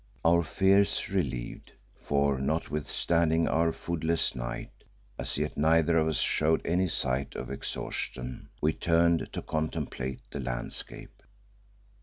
Our fears relieved for notwithstanding our foodless night, as yet neither of us showed any signs of exhaustion we turned to contemplate the landscape.